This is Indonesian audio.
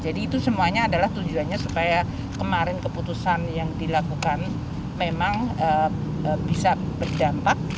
jadi itu semuanya adalah tujuannya supaya kemarin keputusan yang dilakukan memang bisa berdampak